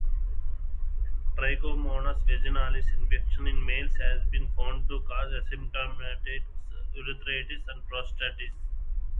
"Trichomonas vaginalis" infection in males has been found to cause asymptomatic urethritis and prostatitis.